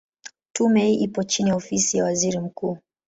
Tume hii ipo chini ya Ofisi ya Waziri Mkuu.